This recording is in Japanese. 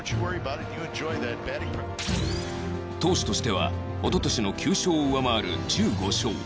投手としては一昨年の９勝を上回る１５勝